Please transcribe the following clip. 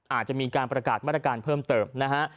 อาจจะมีการประกาศมาตรการเพิ่มเติมนะฮะ